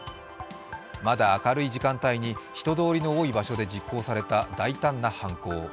まだ明るい時間帯に人通りの多い場所で実行された大胆な犯行。